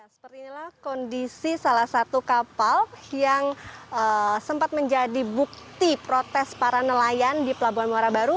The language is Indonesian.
seperti inilah kondisi salah satu kapal yang sempat menjadi bukti protes para nelayan di pelabuhan muara baru